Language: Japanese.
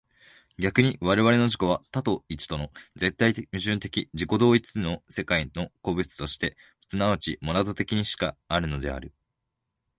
逆に我々の自己は多と一との絶対矛盾的自己同一の世界の個物として即ちモナド的にしかあるのである。